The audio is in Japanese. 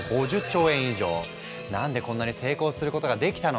なんでこんなに成功することができたのか？